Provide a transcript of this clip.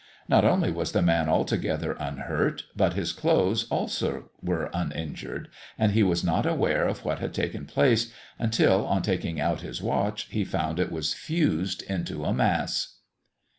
Not only was the man altogether unhurt, but his clothes also were uninjured; and he was not aware of what had taken place until, on taking out his watch, he found it was fused into a mass!